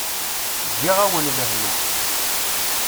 Ǧǧiɣ-awen lehna.